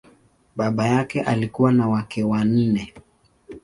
Baba yake alikuwa na wake wanne.